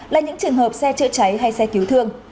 là những trường hợp xe trợ cháy hay xe cứu thương